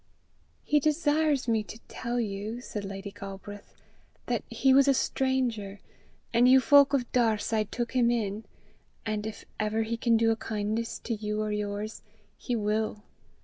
"He desires me to tell you," said Lady Galbraith, "that he was a stranger, and you folk of Daurside took him in, and if ever he can do a kindness to you or yours, he will.